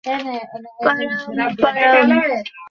তিনি খিলাফতের রাজধানী মদীনায় সম্পত্তিতে বিনিয়োগ করেন।